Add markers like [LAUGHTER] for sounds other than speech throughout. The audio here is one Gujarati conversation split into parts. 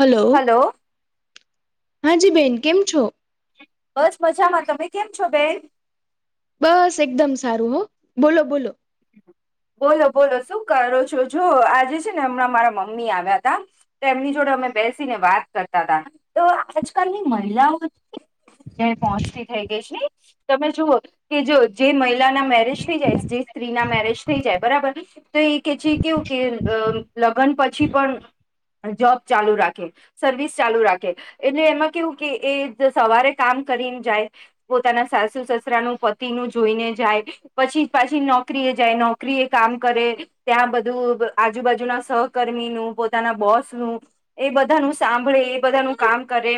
હલો હાજી બેન કેમ છો બસ મજામાં તમે કેમ છો બેન બસ એકદમ સારું હો બોલો બોલો બોલો બોલો શું કરો છો જો આજે છે ને હમણાં મારા મમ્મી આવ્યા તા તો એમની જોડે અમે બેસીને વાત કરતા હતા તો આજકાલની મહિલાઓચ્ જ પહોંચતી થઇ ગઈ છે તમે જુઓ કે જો જે મહિલા ના મેરેજ થઈ જાય જે સ્ત્રી ના મેરેજ થઈ જાય બરાબર ને તો એ કે છે કેવું કે લગ્ન પછી પણ જોબ ચાલુ રાખે સર્વિસ ચાલુ રાખે એટલે એમાં કેવું કે એ સવારે કામ કરીને જાય પોતાના સાસુ સસરા નું પતિ નું જોઈને જાય પછી પાછી નોકરી જાય નોકરી એ કામ કરે ત્યાં બધું આજુબાજુના સહકર્મીનું પોતાના બોસ નું એ બધાનું સાંભળે એ બધાનું કામ કરે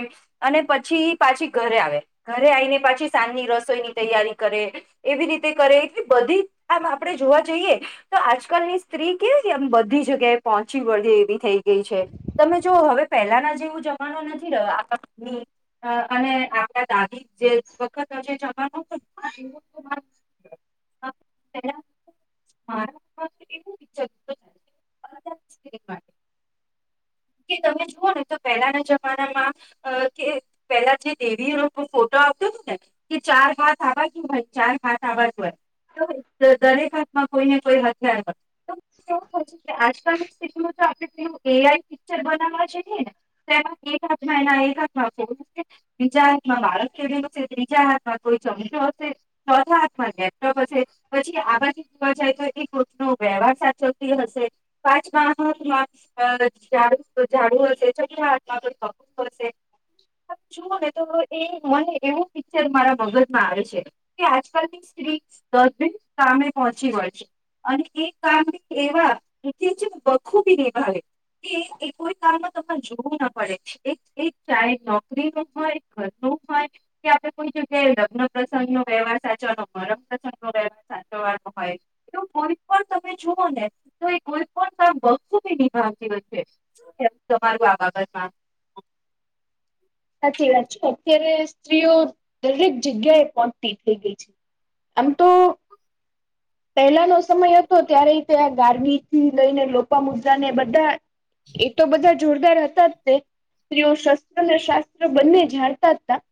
અને પછી પાછી ઘરે આવે ઘરે આવીઈને પાછી સાંજની રસોઈની તૈયારી કરે એવી રીતે કરે એટલી બધી આમ આપણે જોવા જઈએ તો આજકાલ ની સ્ત્રી કેવી એમ બધી જગ્યાએ પહોંચી વળે એવી થઈ ગઈ છે તમે જોઓ હવે પહેલાના જેવું જમાનો નથી રહ્યો આ કંની અને આપડા દાદી જે વખત હશે જવાનું [UNINTELLIGIBLE] કે તમે જુઓ ને તો પહેલાના જમાનામાં અ કે પેલા જે દેવીનો ફોટો આપ્યો હતો ને કે ચાર ભાથ આવા કે ભાઈ ચાર ભાથ આવા ભર દરેક હાથમાં કોઈ ને કોઈ હથિયાર તો એવું થાય છે કે આજકાલની સ્થિતિમાં તો આપડણે કયું એઆઈ પિક્ચર બનાવવા છે ને તેમાં એક હામાંના એક હા મા બીજા હાથમાં બાળસ કેવી હશે બીજા હાથમાં કોઈ ચમજો હશે ચોથા હાથમાં લેપટોપ હશે. પછી આવાથી જોવા જાય તો એ કોટનો વ્યવહાર સાચવતી હશે પાંચ માહ મા ઝાડું ઝાડું હશે છકરા હાથ માં પણક હશે જુઓ ને તો એ મને એવું પિક્ચર મારા મગજમાં આવે છે કે આજકાલની સ્ત્રી દસબન કામે પહોંચી વળ છે અને એ કામ એવા થી જ વખૂબી નિભાવે એ એ કોઈ કામમાં તમારે જોવું ના પડે એક એક ચહે નોકરી ન હોય હ તો હો કે આપડે કોઈ જગ્યાએ લગ્ન પ્રસંગ નો વ્યવહાર સાચવાનો હો ર પ્રસંગ નો વ્યવહાર સાચવાનો હોય તો કોઈ પણ તમે જુઓ ને તો એ કોઈ પણ વસ્તુી નિભાવતી હો તમારું આ બાબતમા સાચી વાત છે અત્યારે સ્ત્રીઓ દરેક જગ્યાએ પહોચતી થઈ ગઈ છે આમ તો પહેલાનો સમય હતો ત્યારે તે આ ગારમીથી લઈને લોપા મુદ્રા ને બધા એ તો બધા જોરદાર હતા જ તે. સ્ત્રીઓ શસ્ત્રને શાસ્ત્ર બંને જાણતાતા.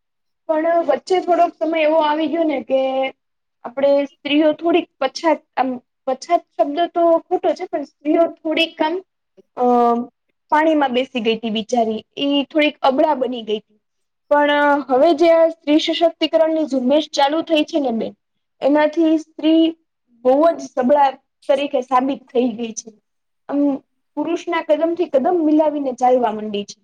પણ વચ્ચે થોડોક સમય એવો આવી ગયો ને કે આપણેે સ્ત્રીઓ થોડીક. પછાત આમ પછાત શબ્દ તો ખોટો છે પણ સ્ત્રીઓ થોડીક આમ. અ પાણીમાં બેસી ગઈતી બિચારી એ થોડીક અબળા બની ગઈ. પણ હવે જે સ્ત્રી સશક્તિકરણ ની ઝુંબેશ ચાલુ થઈ છે ને બે. એનાથી સ્ત્રી બહુ જ સબળા તરીકે સાબિત થઈ ગઈ છે. અમ પુરુષના કદમ થી કદમ મિલાવીને ચાલવા મંડી છે.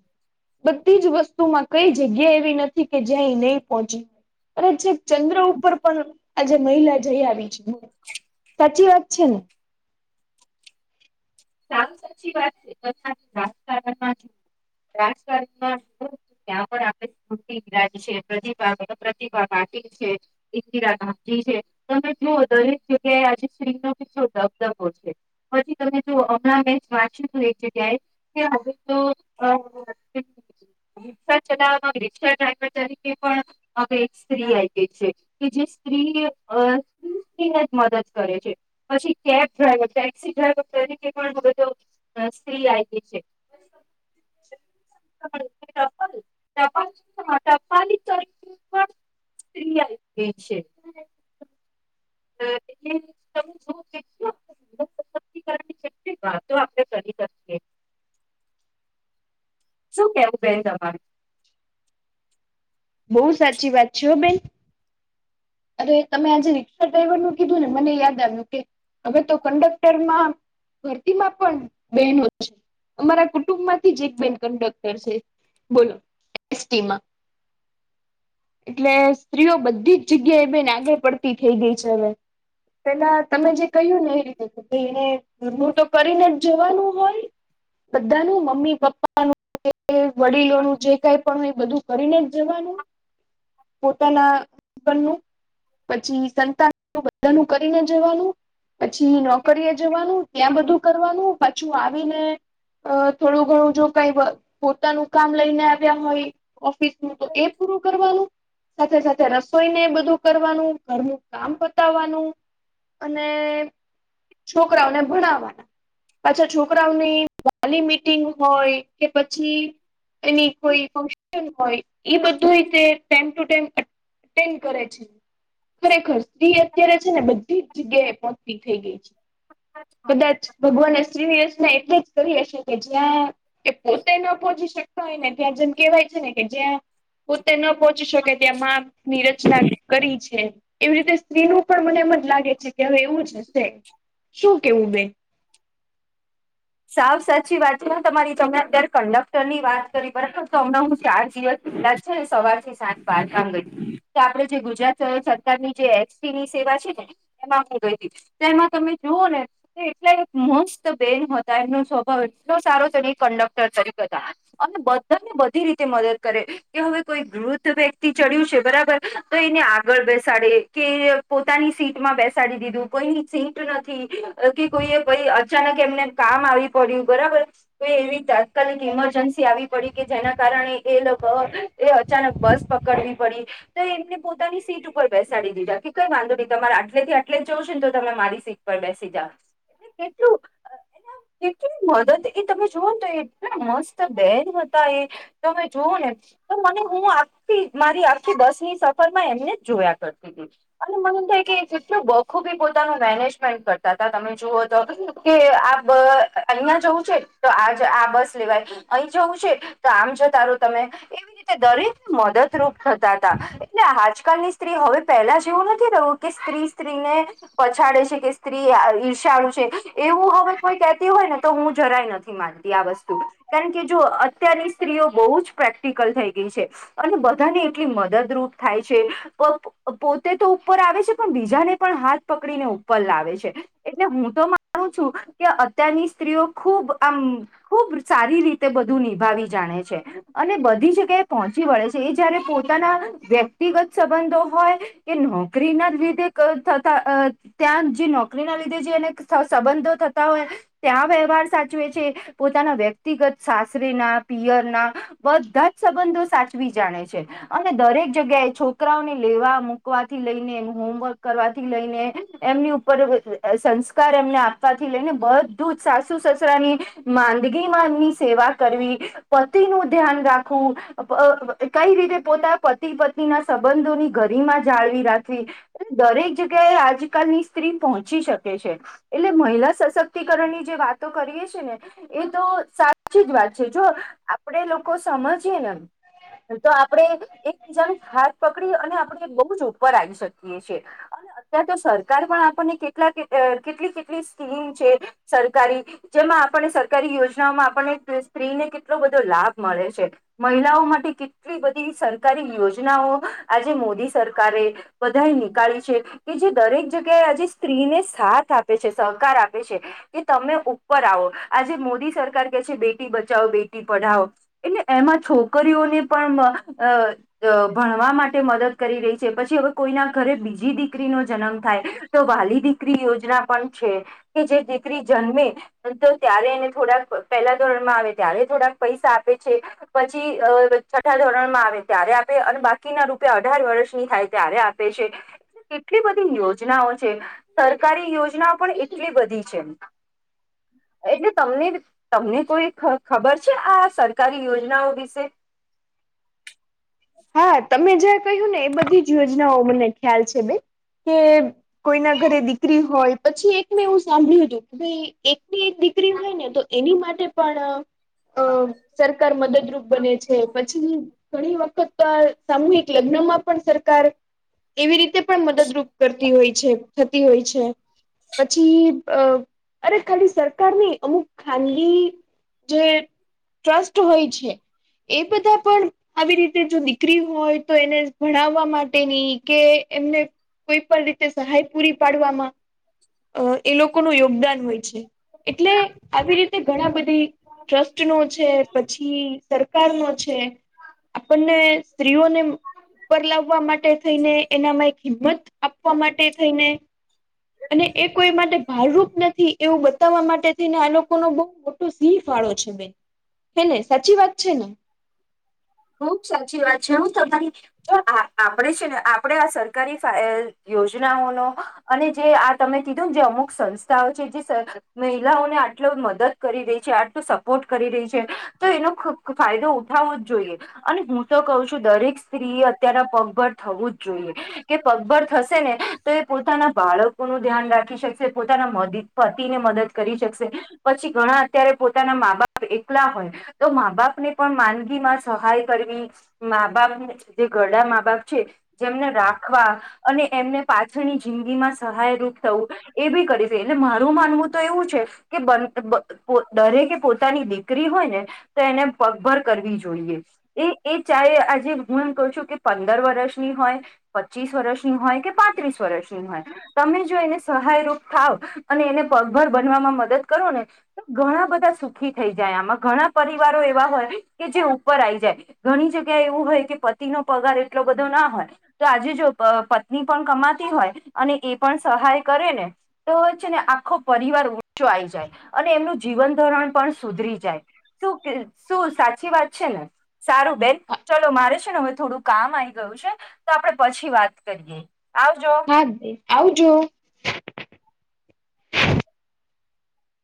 બધી જ વસ્તુ માં કઈ જગ્યા એવી નથી કે જ્યાં ઈ નહી પહોંચી. અરે છેક ચંદ્ર ઉપર પણ આજે મહિલા જઈ આવી છે. સાચી વાત છે ને. સાવ સાચી વાત છે તથા રાજકારણમાં રાજકારણમાં. ત્યાં પણ આપે સ્મૃતિ વિરાજ છે પ્રતિભા પ્રતિભા પાટીલ છે. ઇન્દિરા ગાંધી છે તમે જુઓ દરેક જગ્યાએ આજે સ્ત્રીનો કેટલો દબદબો છે. પછી તમે. તો હમણાં મેં વાંચ્યું હતું એ જગ્યાએ કે હવે તો. રિક્ષા ચલાવવામાં રિક્ષા ડ્રાઈવર તરીકે પણ હવે એક સ્ત્રી આવી ગઈ છે. કે જે સ્ત્રી અ સ્ત્રી સ્ત્રીને જ મદદ કરે છે. પછી કેબ ડ્રાઈવર ટેક્સી ડ્રાઈવર. પણ હવે તો સ્ત્રી આઈ ગઈ છે. [UNINTELLIGIBLE] ટપલી તરીકે પણ. સ્ત્રી આઈ ગઈ છે. [UNINTELLIGIBLE] વાતો આપણે કરી શકીએ. શું કેવું બેન તમારું. બહુ સાચી વાત છે હો બેન. અરે તમે આજે રિક્ષા ડ્રાઈવર નું કીધું ને મને યાદ આવ્યું કે હવે તો કંડક્ટરમાં. ભરતીમાં પણ બેનો છે, અમારા કુટુંબમાંથી જ એક બેન કંડક્ટર છે. બોલો એસટી માં એટલે સ્ત્રીઓ બધી જ. જગ્યાએ બેન આગળ પડતી થઈ ગઈ છે હવે, પેલા તમે જે કહ્યું ને. એને ઘરુંનું તો કરીને જ જવાનું હોય. બધા નું મમ્મી પપ્પાનું. કે વડીલોનું જે કઈ પણ હોય બધું કરીને જ જવાનું પોતાના. પછી સંતાનનું બઘાનું કરીને જવાનું. પછી નોકરીએ જવાનું ત્યાં બધું કરવાનું પાછું આવીને. અ થોડું ઘણું. જો કાઈ પોતાનું કામ લઈને આવ્યા હોય ઓફિસનું તો એ પૂરું કરવાનું. સાથે સાથે રસ. સોઈને બધું કરવાનું ઘરનું કામ પતાવાનું અને. છોકરાઓને ભણાવવાના. પાછા છોકરાઓની વાલી મીટિંગ હોય કે પછી. એની કોઈ ફંક્શન હોય ઈ બધુંય તી ટાઈમ ટુ ટાઈમ. અટેન્ડ કરે છે ખરેખર સ્ત્રી એક. અત્યારે છે ને બધી જ જગ્યાએ પહોચતી થઈ ગઈ છે કદાચ. ભગવાને સ્ત્રીની રચના એટલે જ કરી હશે કે જ્યાં. એ પોતે ન પહોંચી શકતા હોય ને ત્યાં જેમ કેહેવાય છે ને કે જ્યાં. પોતે ન પહોંચી શકે ત્યાં માંની રચના કરી છે. એવી રીતે સ્ત્રીનું પણ મને એમ જ લાગે છે કે હવે એવું જ હશે શું કેવું બેન. સાવ સાચી વાત છે હો તમારી તમને અત્યારે કંડક્ટર ની વાત કરી બરાબર તો તમને હું ચાર્જ. આજ છે ને સવારથી સાંજ બહાર ગામ ગઈતિ તો આપડે જે ગુજરાત સરકારની જે એ. થી સેવા છે ને એમાં ગઇતિ, એમાં તમે જુઓ ને, એટલા એક મસ્ત બેન હતી. બેન નો સ્વભાવ એટલો સારો છે ને, કન્ડક્ટર તરીકે હતા - અને બધાને બધી રીતે મદદ કરે, કે હવે કોઈ વૃદ્ધ વ્યક્તિ ચડ્યું છે, બરાબર. તો એને આગળ બેસાડે, કે પોતાની સીટમાં બેસાડી દીધું. કોઈની સીટ નથી. કે કોઈ એ કંઈ અચાનક એમને કામ આવી પડ્યું, બરાબર. કો એવી તાત્કાલિક ઇમરજન્સી આવી પડી, કે જેના કારણે એ લોકો એ અચાનક બસ પકડવી પડી. તો એમને પોતાની સીટ ઉપર બેસાડી દીધા, કે કઈ વાંધો નહીં. તમારે આટલે થી આટલે જવુ છે ને તો તમે મારી સીટ પણ બેસી જાઓ એટલે કેટલું કેટલી મદદ એ, તમે જુઓને તો એટલા મસ્ત બેન હતા એ. તો જોવું ને તો મને હું આખી મારી આખી બસ ની સફર માં એમને જ જોયા કરતી. [UNINTELLIGIBLE] અને મને એમ થાય કે બખુબી પોતાનું મેનેજમેન્ટ કરતા હતા તમે જુઓ તો કે બ અહિયાં જવું છે, તો આજ આ બસ લેવાય. અહી જવું છે, તો આમ જતા રહો તમે, એવી રીતે દરેક મદદરૂપ થતા હતા એટલે આજકાલની સ્ત્રી હવે પહેલા જેવું નથી રહ્યું, કે સ્ત્રી સ્ત્રી ને પછાડે છે કે સ્ત્રી ઈર્ષાણું છે એવું હવે કોઈ કેતી હોય ને તો હું જરાય નથી માનતી આ વસ્તુ. કારણ કે જો અત્યારની સ્ત્રીઓ બહુ જ પ્રેક્ટિકલ થઈ ગઈ છે. અને બધાને એટલી મદદરૂપ થાય છે. પોતે તો ઉપર આવે છે, પણ બીજાને પણ હાથ પકડીને ઉપર લાવે છે. એટલે હું તો માનું છું. કે અત્યારની સ્ત્રીઓ ખૂબ, આમ ખૂબ સારી રીતે બધું નિભાવી જાણે છે. અને બધી જગ્યાએ પહોંચી વળે છે, એ જયારે પોતાના વ્યક્તિગત સંબંધો હોય કે નોકરી ના જ રીધે થતા. ત્યાં જે નોકરી ના લીધે જે એને સંબંધો થતા હોય, ત્યાં વ્યવહાર સાચવે છે. પોતાના વ્યક્તિગત સાસરેના પિયરના બધા જ સંબંધો સાચવી જાણે છે. અને દરેક જગ્યાએ છોકરાઓને લેવા-મૂકવાથી લઈને હોમવર્ક કરવાથી લઈને એમની સંસ્કાર એમને આપવા. થી લઈને બધું જ સાસુ-સસરાની માંદગીમાંની સેવા કરવી. પતિ નું ધ્યાન રાખું કઈ રીતે, પોતા પતિ પત્ની ના સંબંધોની ઘરી માં જાળવી રાખવી. દરેક જગ્યાએ આજકાલની સ્ત્રી પહોંચી શકે છે એટલે મહિલા સશક્તિકરણ ની જે વાતો કરીએ છીએ છે ને. એ તો સાચી જ વાત છે, જો આપડે લોકો સમજીયે ને તો આપડે એકબીજા નુ હાથ પકડી અને આપણે બહુ જ ઉપર આવી શકીએ છીએ. અત્યાર તો સરકાર પણ આપણને કેટલા કેટલી- કેટલી સ્કીમ છે, સરકારી જેમાં આપણને સરકારી યોજનાઓમાં આપણને સ્ત્રીને કેટલો બધો લાભ મળે છે. મહિલાઓ માટે કેટલી બધી સરકારી યોજનાઓ આજે મોદી સરકારે બધાએ નીકાળી છે, કે જે દરેક જગ્યાએ આજે સ્ત્રીને સાથ આપે છે. સહકાર આપે છે. કે તમે ઉપર આવો આજે મોદી સરકાર કે છે, બેટી બચાવો, બેટી પઢાવો. એટલે એમાં છોકરીઓને પણ અ અ ભણવા માટે મદદ કરી રહી છે પછી હવે કોઈના ઘરે બીજી દીકરીનોો જન્મ થાય તો વાલી દીકરી યોજના પણ છે કે જે દીકરી જન્મે તો ત્યારે એને થોડાક પહેલા ધોરણમાં આવે ત્યારે થોડાક પૈસા આપે છે પછી છઠ્ઠા ધોરણ માં આવે ત્યારે આપે અને બાકીના રૂપિયા અઢાર વર્ષની થાય ત્યારે આપે કેટલી બધી યોજનાઓ છે સરકારી યોજના પણ એટલી બધી છે એટલે તમને તમને કોઈ ખબર છે આ સરકારી યોજનાઓ વિશે હા તમે જ્યાં કહ્યું ને એ બધી જ યોજનાઓ મને ખ્યાલ છે બેન કે કોઈના ઘરે દીકરી હોય પછી એક મેં એવું સાંભળ્યું હતું કે ભાઈ એકની એક દીકરી હોય ને તો એની માટે પણ અ સરકાર મદદરૂપ બને છે પછી ઘણી વખત સામૂહિક લગ્નમાં પણ સરકાર એવી રીતે પણ મદદરૂપ કરતી હોય છે થતી હોય છે પછી અ અરે ખાલી સરકાર નને અમુક ખાનગી જે ટ્રસ્ટ હોય છે એ બધા પણ આવી રીતે જો દીકરી હોય તો એને ભણાવવા માટેની કે એમને કોઈ પણ રીતે સહાય પૂરી પાડવામાં અ એ લોકોનું યોગદાન હોય છે એટલે આવી રીતે ઘણા બધી ટ્રસ્ટ નો છે પછી સરકાર નો છે આપણને સ્ત્રીઓને ઉપ લાવવા માટે થઈને એનામાં એક હિંમત આપવા માટે થઈને અને એ કોઈ માટે ભારરૂપ નથી એવું બતાવવા માટેને આ લોકો નો બહુ મોટો સિંહ ફાળો છે બેન હે ને સાચી વાત છે ને ખુબ સાચી વાત છે હું તમારી તો આપણેે છે ને આપણે આ સરકારી યોજનાઓનો અને જે આ તમે કીધું ને જે અમુક સંસ્થાઓ છે જે મહિલાઓને આટલો મદદ કરી રહી છે આટલો સપોર્ટ કરી રહી છે તો એનો ફાયદો ઉઠાવો જોઈએ અને હું તો કહ છું દરેક સ્ત્રીએ અત્યના પગભર થવું જ જોઈએ કે પગભર થશે ને તો એ પોતાના બાળકોનું ધ્યાન રાખી શકશે પોતાના મધ પતિને મદદ કરી શકશે પછી ઘણા અત્યારે પોતાના મા બાપ એકલા હોય તો મા બાપ ને પણ માંદગી માં સહાય કરવી મા બાપ ને જે ઘડા મા બાપ છે જેમને રાખવા અને એમને પાછળની જિંદગીમાં સહાયરૂપ થવું એ બી કરી છે એટલે મારું માનવું તો એવું છે કે દરેકે પોતાની દીકરી હોય ને તો એને પગભર કરવી જોઈએ એ એ ચાહે આજે હું એમ કહ છું કે પંદર વર્ષની હોય પચીસ વર્ષની હોય કે પાંત્રીસ વર્ષની હોય તમે જો એને સહાયરૂૂપ થાવ અને એને પગભર બનવામાં મદદ કરો ને ઘણા બધા સુખી થઈ જાય આમાં ઘણા પરિવારો એવા હોય કે જે ઉપર આવી જાય ઘણી જગ્યાએ એવું હોય કે પતિ નો પગાર એટલો બધો ના હોય તો આજે જો પત્ની પણ કમાતી હોય અને એ પણ સહાય કરે ને તો હોય છે ને આખો પરિવાર ઊંચો આઈ જાય અને એમનું જીવન ધોરણ પણ સુધરી જાય શું શું સાચી વાત છે ને સારું બેન ચલો મારે છે ને હવે થોડું કામ આવીઈ ગયું છે તો આપડણે પછી વાત કરીએ આવજો હે આવ જો